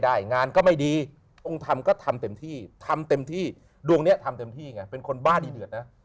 ดวงนี้ทำเต็มที่อย่างงี้เป็นคนบ้าดิเดือดนะ